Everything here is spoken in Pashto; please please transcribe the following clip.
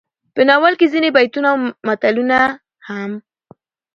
په ناول کې ځينې بيتونه او متلونه هم